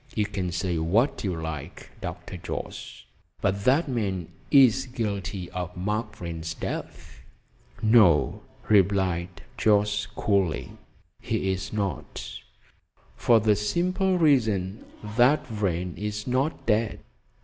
You can say what you like, Dr. Jorce, but that man is guilty of Mark Vrain's death." "No," replied Jorce coolly, "he's not, for the simple reason that Vrain is not dead."